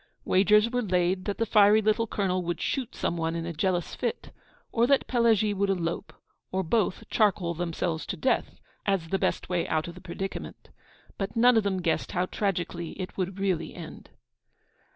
Wagers were laid that the fiery little Colonel would shoot some one in a jealous fit, or that Pelagie would elope, or both charcoal themselves to death, as the best way out of the predicament. But none of them guessed how tragically it would really end.